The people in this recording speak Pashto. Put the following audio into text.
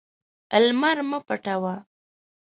لمر مه پټوه.